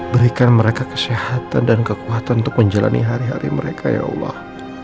berikan mereka kesehatan dan kekuatan untuk menjalani hari hari mereka ya allah